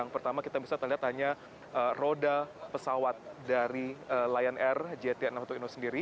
pertama kita bisa terlihat hanya roda pesawat dari lion rgt enam ratus sepuluh ini sendiri